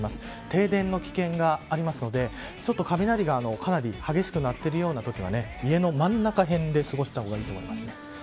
停電の危険があるので雷がかなり激しく鳴っているようなときは家の真ん中辺で過ごした方がいい外と思います。